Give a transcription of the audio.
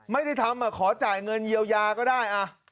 ไม่ได้ทำขอจ่ายเงินเยียวยาก็ได้